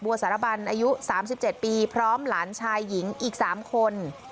บัวสารบันอายุสามสิบเจ็ดปีพร้อมหลานชายหญิงอีกสามคน